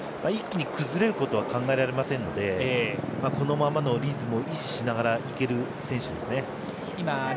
一気に崩れることは考えられませんのでこのままのリズムを維持しながら行ける選手ですね。